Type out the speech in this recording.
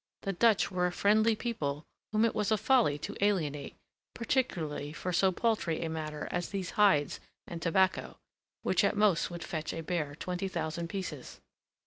The Dutch were a friendly people whom it was a folly to alienate, particularly for so paltry a matter as these hides and tobacco, which at most would fetch a bare twenty thousand pieces.